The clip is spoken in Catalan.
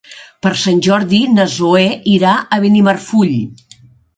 Per Sant Jordi na Zoè irà a Benimarfull.